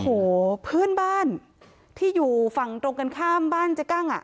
โอ้โหเพื่อนบ้านที่อยู่ฝั่งตรงกันข้ามบ้านเจ๊กั้งอ่ะ